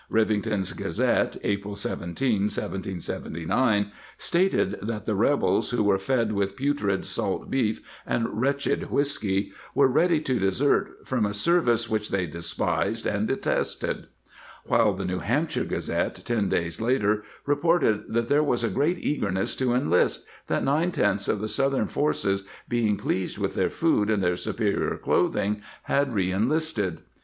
Rivington's Gazette, April i'], 1779, stated that the rebels, who were fed with putrid salt beef and wretched whiskey, were ready to desert from a service which they despised and detested; while the New Hampshire Gazette ten days later reported that there was a great eagerness to enlist, that nine tenths of the southern forces, being pleased with their food and their superior clothing, had reenlisted.